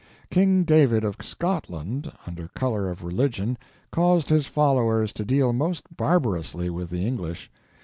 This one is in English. King David of Scotland... under color of religion caused his followers to deal most barbarously with the English.